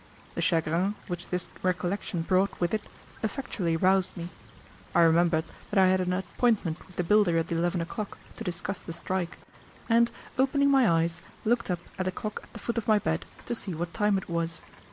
The chagrin which this recollection brought with it effectually roused me. I remembered that I had an appointment with the builder at eleven o'clock, to discuss the strike, and opening my eyes, looked up at the clock at the foot of my bed to see what time it was.